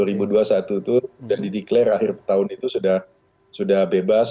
dua ribu dua puluh satu itu sudah dideklarasi akhir tahun itu sudah bebas